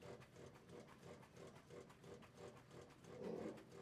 Po pár hodinách je jídlo hotové.